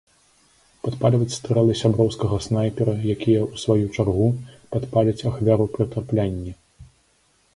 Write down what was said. Падпальваць стрэлы сяброўскага снайпера, якія, у сваю чаргу, падпаляць ахвяру пры траплянні.